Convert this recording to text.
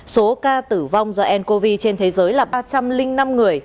số ca tử vong do n cov trên thế giới là ba trăm linh năm người